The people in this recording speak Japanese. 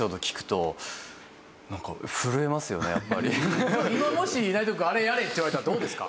やっぱ今もし内藤くんあれやれって言われたらどうですか？